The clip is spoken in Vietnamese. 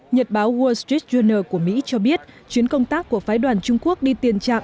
nhật báo wall street journal của mỹ cho biết chuyến công tác của phái đoàn trung quốc đi tiền chạm